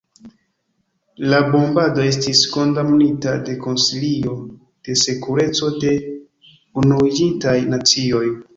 La bombado estis kondamnita de Konsilio de Sekureco de Unuiĝintaj Nacioj.